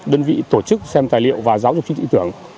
đơn vị tổ chức xem tài liệu và giáo dục trí tưởng